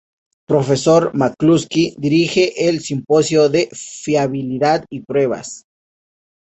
Profesor McCluskey dirige al Simposio de fiabilidad y pruebas.